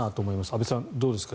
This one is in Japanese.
安部さん、どうですか。